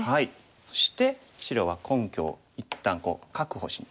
そして白は根拠を一旦確保しに。